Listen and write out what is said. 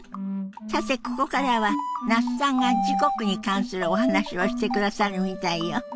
さてここからは那須さんが時刻に関するお話をしてくださるみたいよ。